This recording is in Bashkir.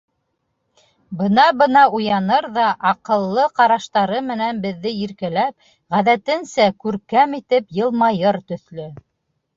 Бына-бына уяныр ҙа, аҡыллы ҡараштары менән беҙҙе иркәләп, ғәҙәтенсә, күркәм итеп йылмайыр төҫлө.